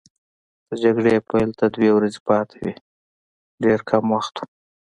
د جګړې پیل ته دوه ورځې پاتې وې، ډېر کم وخت وو.